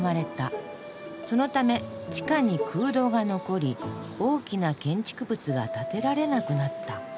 そのため地下に空洞が残り大きな建築物が建てられなくなった。